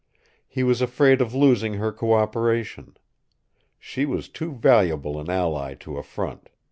He was afraid of losing her cooperation. She was too valuable an ally to affront.